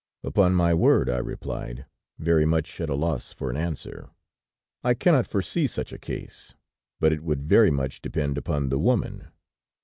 "'Upon my word,' I replied, very much at a loss for an answer, 'I cannot foresee such a case; but it would very much depend upon the woman.'